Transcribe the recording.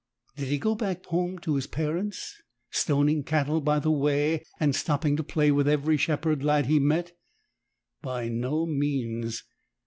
Did he go back home to his parents — stoning cattle by the way and stopping to play with every shepherd lad he met? By no means.